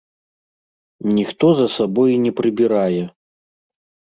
Ніхто за сабой не прыбірае.